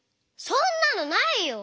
そんなのないよ！